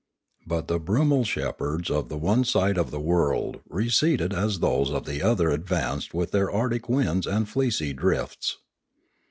But the brumal shepherds of the one side of the world receded as those of the other advanced with their arctic winds and fleecy drifts.